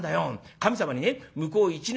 神様に向こう１年？